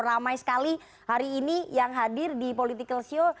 ramai sekali hari ini yang hadir di politikalshow